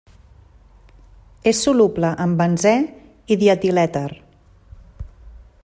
És soluble en benzè i dietilèter.